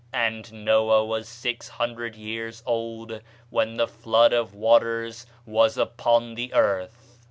And Noah was six hundred years old when the flood of waters was upon the earth.